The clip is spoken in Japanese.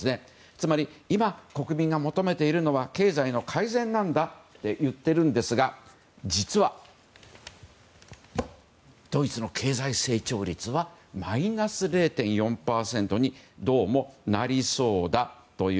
つまり今、国民が求めているのは経済の改善なんだと言っているんですが実は、ドイツの経済成長率はマイナス０．４％にどうもなりそうだという。